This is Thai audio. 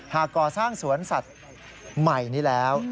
ก่อสร้างสวนสัตว์ใหม่นี้แล้ว